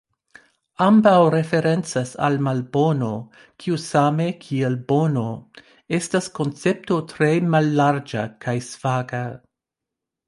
Ambaŭ referencas al malbono, kiu same kiel bono, estas koncepto tre mallarĝa kaj svaga.